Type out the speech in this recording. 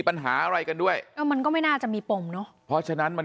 ปัญหาอะไรกันด้วยเออมันก็ไม่น่าจะมีปมเนอะเพราะฉะนั้นมัน